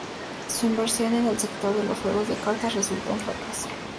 Su inversión en el sector de los juegos de cartas resultó un fracaso.